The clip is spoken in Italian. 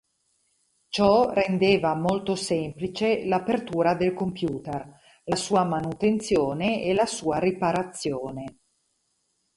Ciò rendeva molto semplice l'apertura del computer, la sua manutenzione e la sua riparazione.